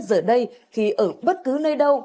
giờ đây khi ở bất cứ nơi đâu